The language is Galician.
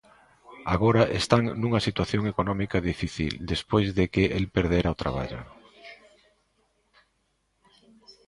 Agora están nunha situación económica difícil despois de que el perderá o traballo.